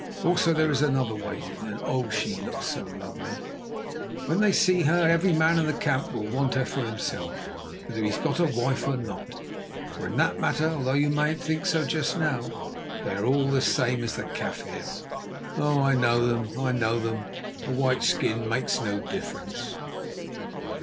Also, there is another waiting, and oh! she looks lovely. When they see her, every man in the camp will want her for himself, whether he has got a wife or not, for in that matter, although you mayn't think so just now, they are all the same as the Kaffirs. Oh! I know them, I know them, a white skin makes no difference."